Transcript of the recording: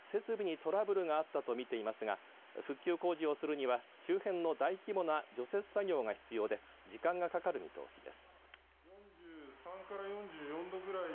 組合では設備にトラブルがあったと見ていますが復旧工事をするには周辺の大規模な除雪作業が必要で時間がかかる見通しです。